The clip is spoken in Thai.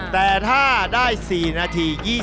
แต่ถ้าได้๔นาที